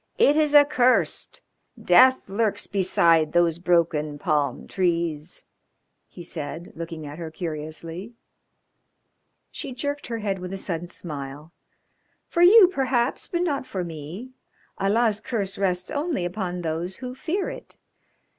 "It is accursed. Death lurks beside those broken palm trees," he said, looking at her curiously. She jerked her head with a sudden smile. "For you, perhaps, but not for me. Allah's curse rests only upon those who fear it.